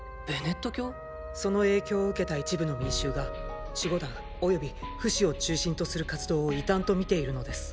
その影響を受けた一部の民衆が守護団およびフシを中心とする活動を異端と見ているのです。